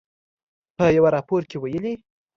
په یوه راپور کې ویلي